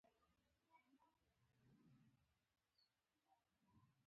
دغه ملاتړي د لیمبا، تمني او لوکو قومونو په منځ کې وو.